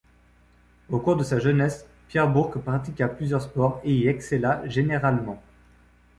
Au cours de sa jeunesse, Pierre Bourque pratiqua plusieurs sports et y excella généralement.